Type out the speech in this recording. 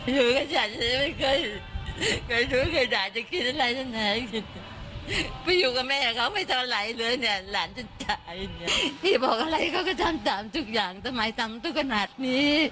อยู่กระฉาไชยไม่เคยไม่รู้ใครด่านจะกินอะไรทั้งน